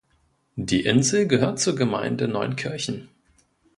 Die Insel gehört zur Gemeinde Neuenkirchen.